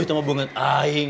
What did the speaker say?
ih itu mah bunget aing